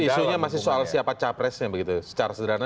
jadi isunya masih soal siapa capresnya begitu secara sederhana